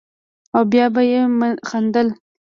او بيا به يې خندل.